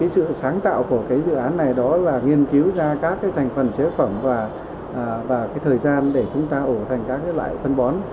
sự sáng tạo của dự án này đó là nghiên cứu ra các thành phần chế phẩm và thời gian để chúng ta ủ thành các loại phân bón